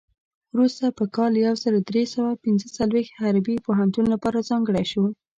وروسته په کال یو زر درې سوه پنځه څلوېښت حربي پوهنتون لپاره ځانګړی شو.